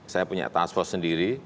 saya punya task force sendiri